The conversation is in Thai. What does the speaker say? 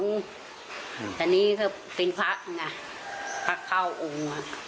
สุดท้ายเนี่ยเป็นพระอย่างไงพระข้าวโอ้ง